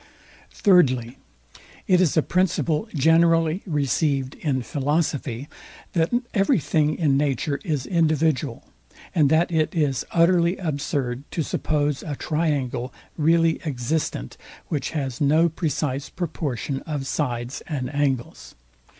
Thirdly, it is a principle generally received in philosophy that everything in nature is individual, and that it is utterly absurd to suppose a triangle really existent, which has no precise proportion of sides and angles.